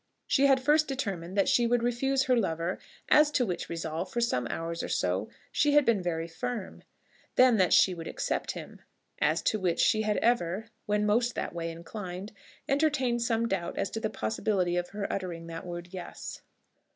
She had first determined that she would refuse her lover, as to which resolve, for some hours or so, she had been very firm; then that she would accept him, as to which she had ever, when most that way inclined, entertained some doubt as to the possibility of her uttering that word "Yes."